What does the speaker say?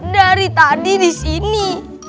dari tadi di sini